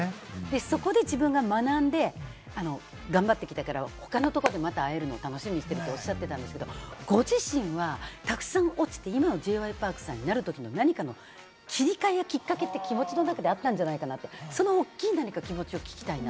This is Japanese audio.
そこで自分が学んで頑張ってきたから、他のとこでまた会えるのを楽しみにしてるっておっしゃってたんですけれども、ご自身はたくさん落ちて、今のＪ．Ｙ．Ｐａｒｋさんになるときの何かの切り替えやきっかけって気持ちの中であったんじゃないかなって、その大きい気持ちを聞きたいなと。